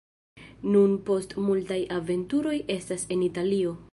Nun post multaj aventuroj estas en Italio.